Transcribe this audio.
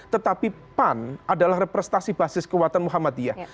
tetapi pan adalah representasi basis kekuatan muhammadiyah